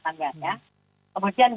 kita sudah mengalami satu kemajuan ya